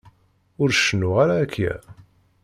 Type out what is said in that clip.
Ur cennuɣ ara akya.